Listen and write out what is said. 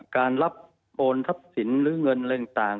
การรับโอนทรัพย์สินหรือเงินอะไรต่าง